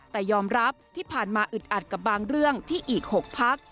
แต่ยอมรับที่ผ่านมาอึดอัดกับบางเรื่องที่อีก๖พัก